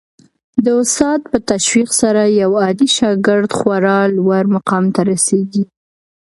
د استاد په تشویق سره یو عادي شاګرد خورا لوړ مقام ته رسېږي.